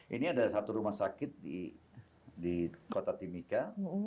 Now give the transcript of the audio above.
ini ada satu rumah sakit di kota timika